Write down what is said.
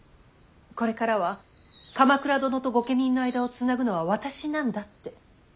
これからは鎌倉殿と御家人の間を繋ぐのは私なんだって。